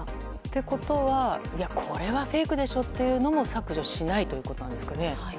ということは、これはフェイクでしょというものも削除しないということなんですかね。